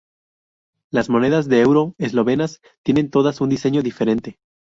Las monedas de euro eslovenas tienen todas un diseño diferente.